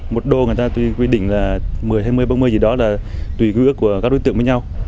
một đô người ta quy định là một mươi hai mươi bốn mươi gì đó là tùy ước của các đối tượng với nhau